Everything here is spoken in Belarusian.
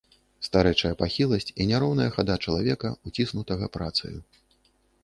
Старэчая пахіласць і няроўная хада чалавека, уціснутага працаю.